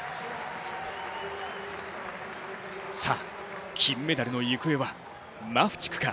さあ、金メダルの行方はマフチクか？